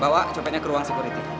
bawa copetnya ke ruang security